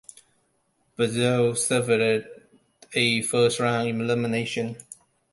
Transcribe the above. Brazil suffered a first round elimination.